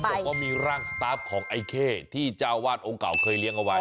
บอกว่ามีร่างสตาฟของไอ้เข้ที่เจ้าวาดองค์เก่าเคยเลี้ยงเอาไว้